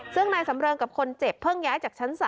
ซึ่งนายสำเริงกับคนเจ็บเพิ่งย้ายจากชั้น๓